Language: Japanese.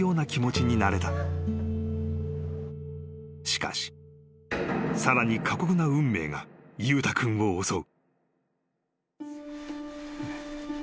［しかしさらに過酷な運命が裕太君を襲う］